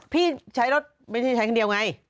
พี่ใช้รถไม่ใช่ใช้คนเดียวไง